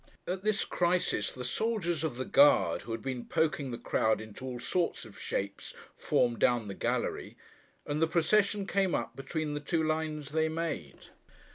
At this crisis, the soldiers of the guard, who had been poking the crowd into all sorts of shapes, formed down the gallery: and the procession came up, between the two lines they made.